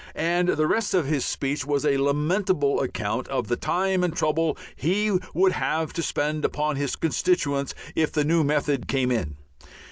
And the rest of his speech was a lamentable account of the time and trouble he would have to spend upon his constituents if the new method came in.